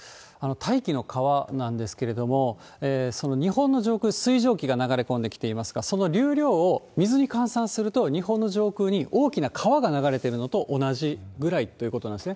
大気の川なんですけれども、その日本の上空、水蒸気が流れ込んできていますが、その流量を水に換算すると、日本の上空に、大きな川が流れているのと同じぐらいということなんですね。